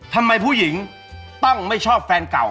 ทำไมผู้หญิงต้องไม่ชอบแฟนเก่า